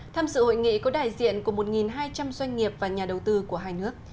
tham sự hội nghị có đại diện của một hai trăm linh doanh nghiệp và nhà đầu tư của hai nước